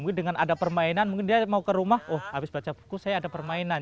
mungkin dengan ada permainan mungkin dia mau ke rumah oh habis baca buku saya ada permainan